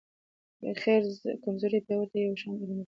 خير کمزورې او پیاوړي ته یو شان علم ورکوي.